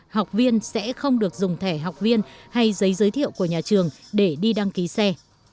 học viên sẽ không được dùng thẻ học viên hay giấy giới thiệu của nhà trường để đi đăng ký xe